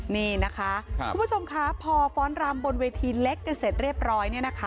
นี่นะคะคุณผู้ชมคะพอฟ้อนรำบนเวทีเล็กกันเสร็จเรียบร้อยเนี่ยนะคะ